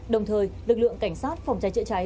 đồng thời lực lượng cảnh sát phòng trái trợ trái